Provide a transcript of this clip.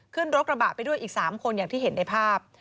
ขึ้นรถกระบะไปด้วยอีก๓คนอย่างที่เห็นในภาพ